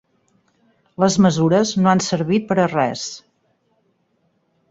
Les mesures no han servit per a res.